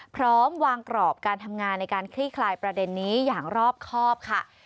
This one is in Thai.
พร้อมวางกรอบการทำงานในการคลี่คลายประเด็นนี้อย่างรอบครอบค่ะ